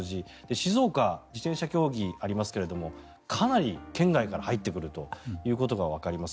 静岡、自転車競技がありますけどかなり県外から入ってくるということがわかります。